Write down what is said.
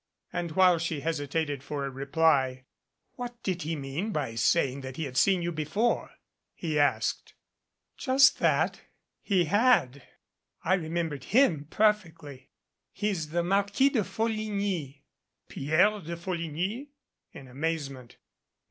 And while she hesitated for a reply. "What did he mean by saying that he had seen you before?" he asked. 161 MADCAP "Just that. He had. I remembered him perfectly. He's the Marquis de Folligny." "Pierre de Folligny!" in amazement.